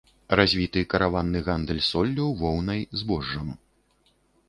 Развіты караванны гандаль соллю, воўнай, збожжам.